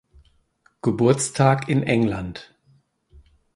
Geburtstag in England.